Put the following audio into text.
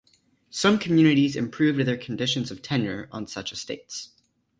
Some communities improved their conditions of tenure on such estates.